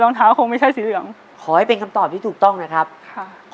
รองเท้าคงไม่ใช่สีเหลืองขอให้เป็นคำตอบที่ถูกต้องนะครับค่ะ